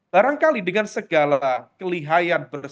barangkali dengan segala kelihayan